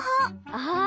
ああ。